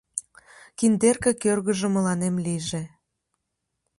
Киндерке кӧргыжӧ мыланем лийже.